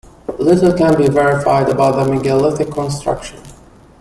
Little can be verified about the megalithic construction.